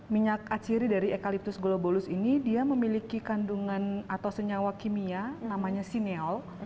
minyak aciri dari ekaliptus globulus ini dia memiliki kandungan atau senyawa kimia namanya sineol